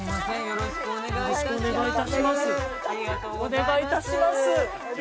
よろしくお願いします。